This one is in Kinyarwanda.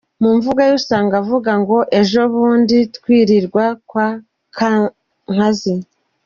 Mu mvugo ye usanga avuga ngo ejo bundi twirirwa kwa kankazi.